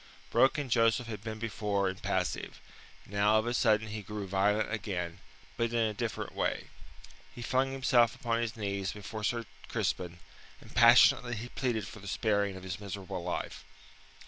Broken Joseph had been before and passive; now of a sudden he grew violent again, but in a different way. He flung himself upon his knees before Sir Crispin, and passionately he pleaded for the sparing of his miserable life.